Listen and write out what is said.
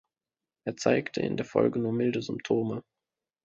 Er zeigte in der Folge nur milde Symptome.